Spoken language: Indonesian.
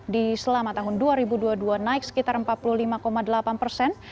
di selama tahun dua ribu dua puluh dua naik sekitar empat puluh lima delapan persen